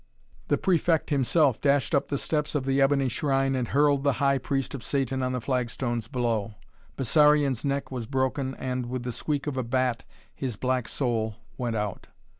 The Prefect himself dashed up the steps of the ebony shrine and hurled the High Priest of Satan on the flagstones below. Bessarion's neck was broken and, with the squeak of a bat, his black soul went out.